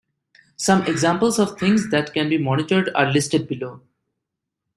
Some examples of things that can be monitored are listed below.